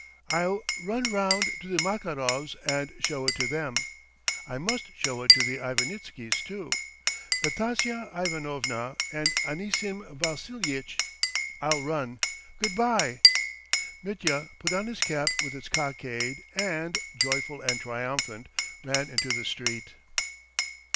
"I'll run round to the Makarovs and show it to them. ... I must show it to the Ivanitskys too, Natasya Ivanovna, and Anisim Vassilyitch. ... I'll run! Good bye!" Mitya put on his cap with its cockade and, joyful and triumphant, ran into the street.